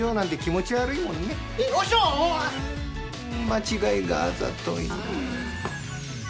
間違いがあざとい。